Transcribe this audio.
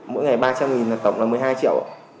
mỗi ngày ba trăm linh là tổng là một mươi hai triệu